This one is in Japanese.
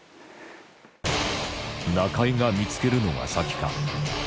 中井が見つけるのが先か？